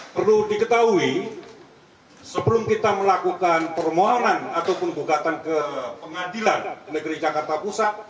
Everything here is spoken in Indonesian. perlu diketahui sebelum kita melakukan permohonan ataupun gugatan ke pengadilan negeri jakarta pusat